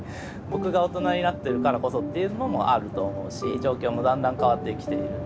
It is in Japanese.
僕が大人になってるからこそっていうのもあると思うし状況もだんだん変わってきている。